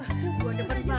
ini aku bang ipan